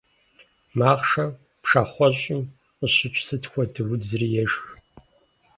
Махъшэм пшахъуэщӀым къыщыкӀ сыт хуэдэ удзри ешх.